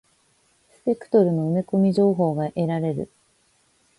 スペクトルの埋め込み情報が得られる。